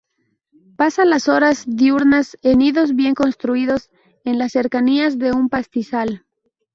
Pasa las horas diurnas en nidos bien construidos en las cercanías de un pastizal.